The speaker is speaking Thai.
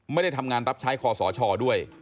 ไม่ได้ทำงานรับใช้คอสชด้วย